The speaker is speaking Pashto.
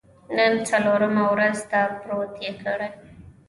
نن څلورمه ورځ ده، پروت یې کړی.